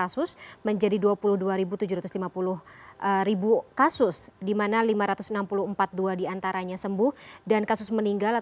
sekian dan terima kasih